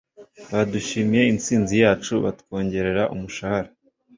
Badushimiye intsinzi yacu batwongerera umushahara.